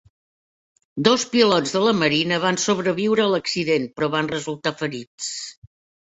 Dos pilots de la marina van sobreviure a l'accident però van resultar ferits.